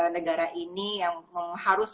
negara ini yang harus